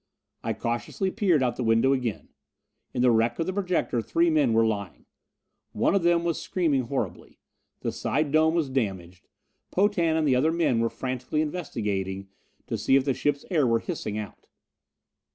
I cautiously peered out the window again. In the wreck of the projector three men were lying. One of them was screaming horribly. The dome side was damaged. Potan and other men were frantically investigating to see if the ship's air were hissing out.